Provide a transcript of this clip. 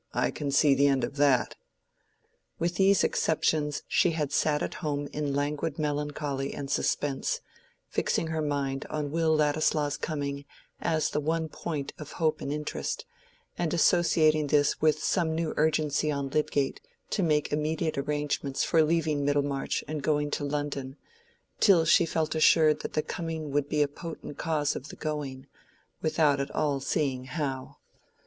I can see the end of that." With these exceptions she had sat at home in languid melancholy and suspense, fixing her mind on Will Ladislaw's coming as the one point of hope and interest, and associating this with some new urgency on Lydgate to make immediate arrangements for leaving Middlemarch and going to London, till she felt assured that the coming would be a potent cause of the going, without at all seeing how.